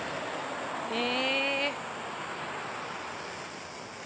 へぇ。